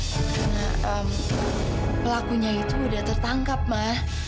karena pelakunya itu udah tertangkap ma